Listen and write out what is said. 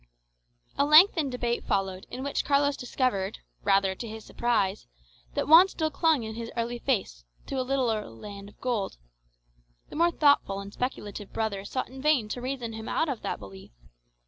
A lengthened debate followed, in which Carlos discovered, rather to his surprise, that Juan still clung to his early faith in a literal land of gold. The more thoughtful and speculative brother sought in vain to reason him out of that belief.